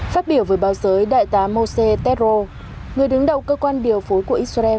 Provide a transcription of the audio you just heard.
phát biểu với báo giới đại tá moshe tetro người đứng đầu cơ quan điều phối của israel